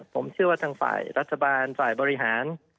ผมเชื่อว่าทางฝ่ายรัฐบาลฝ่ายบริหาร